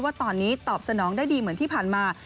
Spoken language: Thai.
ว่าตอนนี้ตอบสนองได้ดีเหมือนที่ผ่านมา